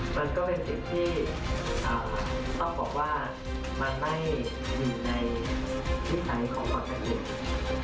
มันก็เป็นสิ่งที่อฯบอกว่ามันไม่อยู่ในกฎิกาในความกระดิก